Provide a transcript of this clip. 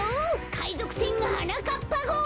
かいぞくせんはなかっぱごう！